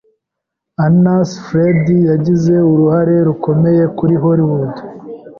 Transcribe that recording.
Anna S Freud yagize uruhare rukomeye kuri Hollywood.